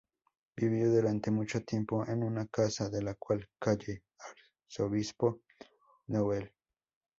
Vivió durante mucho tiempo en una casa de la actual calle Arzobispo Nouel.